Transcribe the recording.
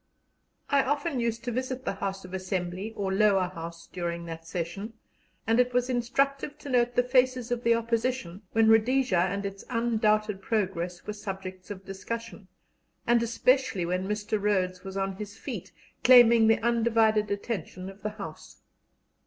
I often used to visit the House of Assembly or Lower House during that session, and it was instructive to note the faces of the Opposition when Rhodesia and its undoubted progress were subjects of discussion, and especially when Mr. Rhodes was on his feet, claiming the undivided attention of the House.